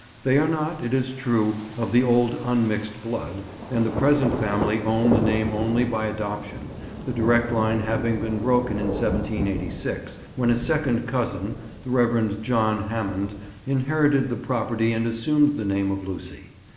They are not, it is true, of the old unmixed blood, and the present family own the name only by adoption, the direct line having been broken in 1786, when a second cousin, the Rev. John Hammond, inherited the property and assumed the name of Lucy.